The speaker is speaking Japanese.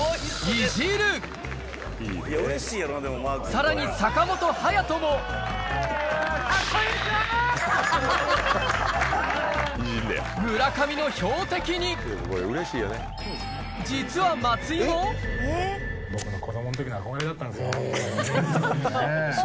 さらに坂本勇人も村上の標的に実は松井も僕の。